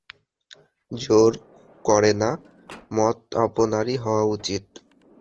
জোর করে না, মত আপনারই হওয়া উচিত।